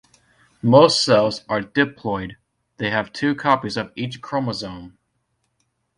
Most cells are diploid; they have two copies of each chromosome.